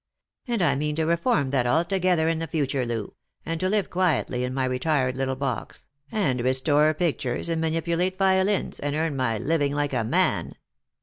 And_ I mean to reform that altogether in future, Loo, and to live quietly in my retired little box, and restore pictures and mani pulate violins, and earn my living like a man.